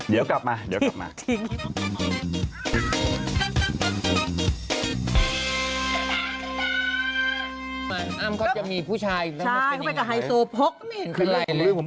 เดี๋ยวกลับมาเดี๋ยวกลับมามีผู้ชายใช่เข้าไปกับไฮโซโพก